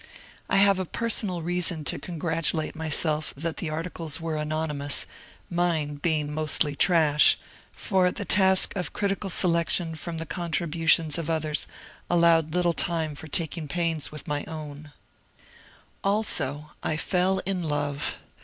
I have personal reason to congratulate myself that the articles were anonymous, mine being mostly trash ; for the task of critical selection from the contributions of others allowed little time for taking pains with my own. DISTINGUISHED SCHOOLFELLOWS 69 Also I fell in love.